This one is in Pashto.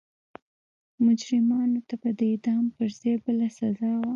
مجرمانو ته به د اعدام پر ځای بله سزا وه.